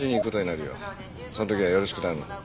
その時はよろしく頼む。